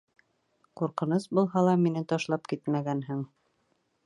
Ҡурҡыныс булһа ла мине ташлап китмәгәнһең!